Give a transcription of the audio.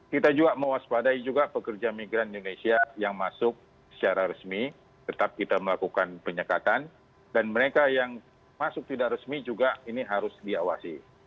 kita juga mewaspadai juga pekerja migran indonesia yang masuk secara resmi tetap kita melakukan penyekatan dan mereka yang masuk tidak resmi juga ini harus diawasi